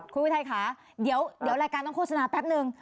คุณอุทัยค่ะเดี๋ยวรายการต้องโฆษณาแป๊บนึง